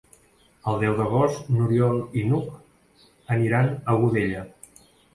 El deu d'agost n'Oriol i n'Hug aniran a Godella.